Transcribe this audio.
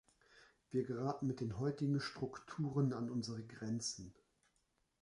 Wir geraten mit den heutigen Strukturen an unsere Grenzen.